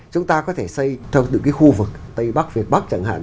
chúng ta có thể xây trong những cái khu vực tây bắc việt bắc chẳng hạn